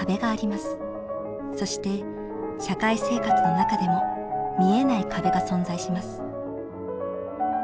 そして社会生活の中でも見えない壁が存在します。